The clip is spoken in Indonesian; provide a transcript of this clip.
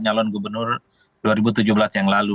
nyalon gubernur dua ribu tujuh belas yang lalu